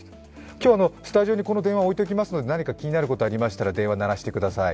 今日はスタジオにこの電話置いておきますので、何か気になることありましたら電話鳴らしてください。